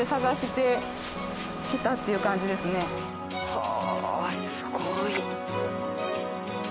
はあすごい。